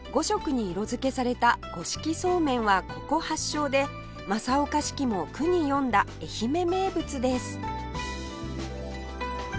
５色に色付けされた五色そうめんはここ発祥で正岡子規も句に詠んだ愛媛名物です